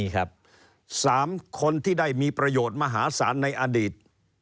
๓คนที่ได้มีประโยชน์มหาศาลในอดีต